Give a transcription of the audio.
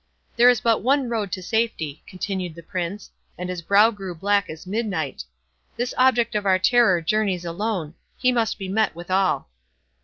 —"There is but one road to safety," continued the Prince, and his brow grew black as midnight; "this object of our terror journeys alone—He must be met withal."